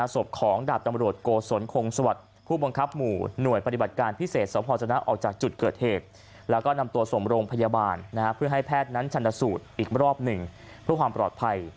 ศพของดาบตำรวจโกศลคงสวัสดิ์ผู้บังคับหมู่หน่วยปฏิบัติการพิเศษสพจนะออกจากจุดเกิดเหตุแล้วก็นำตัวส่งโรงพยาบาลเพื่อให้แพทย์นั้นชันสูตรอีกรอบหนึ่งเพื่อความปลอดภัย